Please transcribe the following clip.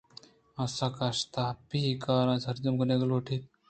آسک اشتاپی وتی کاراں سرجم کنگ لوٹگ ءَ اِت اَنت